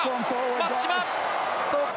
松島！